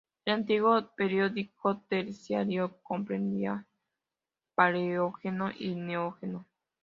El antiguo Período Terciario comprendía Paleógeno y Neógeno.